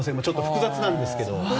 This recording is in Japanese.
複雑なんですが。